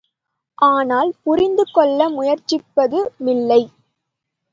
ஆனால், புரிந்துகொள்ள முயற்சிப்பதுமில்லை.